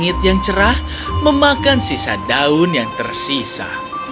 dan rumput yang cerah memakan sisa daun yang tersisa